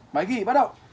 máy ghi bắt đầu